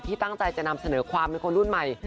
ตั้งใจจะนำเสนอความเป็นคนรุ่นใหม่